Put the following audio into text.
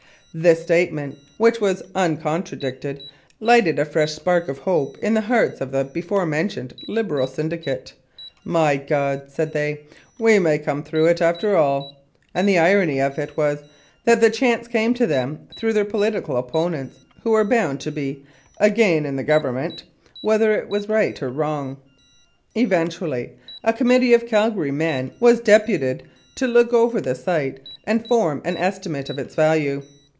This statement, which was uncontradicted, lighted a fresh spark of hope in the hearts of the before mentioned Liberal syndicate. "My God!" said they, "we may come through with it after all." And the irony of it was, that the chance came to them through their political opponents, who were bound to be "agin the Government" whether it was right or wrong. Eventually a committee of Calgary men was deputed to look over the site and form an estimate of its value.